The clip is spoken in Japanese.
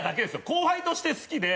後輩として好きで。